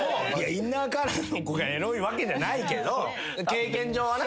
インナーカラーの子がエロいわけじゃないけど経験上はな。